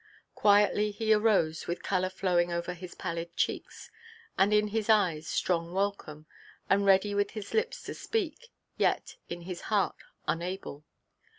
Quietly he arose, with colour flowing over his pallid cheeks, and in his eyes strong welcome, and ready with his lips to speak, yet in his heart unable.